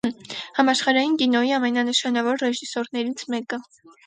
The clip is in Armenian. Համաշխարհային կինոյի ամենանշանավոր ռեժիսորներից մեկը։